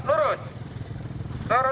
ayo bu lanjut lurus